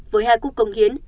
với hai cúp công hiến